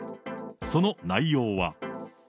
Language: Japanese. その内容は。